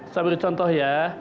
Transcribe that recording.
saya beri contoh ya